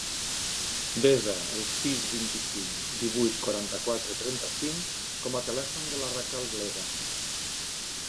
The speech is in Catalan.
Desa el sis, vint-i-cinc, divuit, quaranta-quatre, trenta-cinc com a telèfon de la Raquel Bleda.